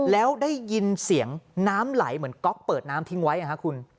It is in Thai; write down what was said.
แล้วได้ยินเสียงน้ำไหลเหมือนก๊อกเปิดน้ำทิ้งไว้คุณ